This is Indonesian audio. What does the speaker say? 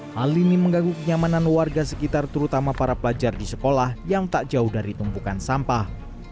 hal ini mengganggu kenyamanan warga sekitar terutama para pelajar di sekolah yang tak jauh dari tumpukan sampah